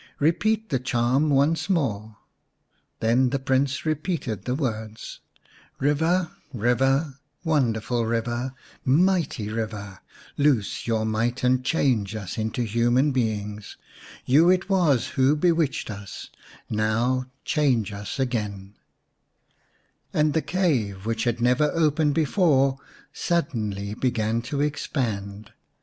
Kepeat the charm once more." 246 xx The White Dove Then the Prince repeated the words :" River, river, wonderful river, mighty river, Loose your might and change us into human beings ; You it was who bewitched us, Now change us again " and the cave which had never opened before suddenly began to expand.